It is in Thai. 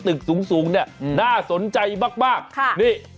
ตึกสูงน่าสนใจมากนี่